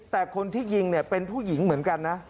แต่คนที่ยิงเนี่ยเป็นผู้หญิงเหมือนกันนะ